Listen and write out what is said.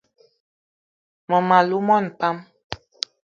Mmem- alou mona pam